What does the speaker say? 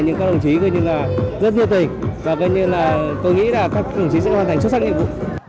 nhưng mà tôi nghĩ là rất nhiệt tình và tôi nghĩ là các chiến sĩ sẽ hoàn thành xuất sắc nhiệm vụ